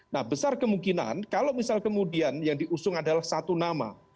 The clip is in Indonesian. nah besar kemungkinan kalau misal kemudian yang diusung adalah satu nama